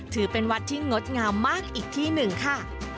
ถือเป็นวัดที่งดงามมากอีกที่หนึ่งค่ะ